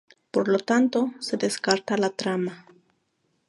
Por lo tanto, se descarta la trama.